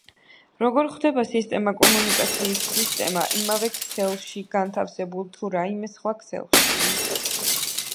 როგორ ხვდება სისტემა კომუნიკაციის სისტემა იმავე ქსელში განთავსებული თუ რაიმე სხვა ქსელში?